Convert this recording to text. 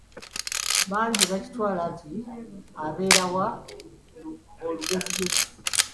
Bangi bakitwala nti abeera wa "olugezigezi".